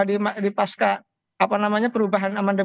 nah sekarang ini dulu mpr nya apa namanya lembaga tertinggi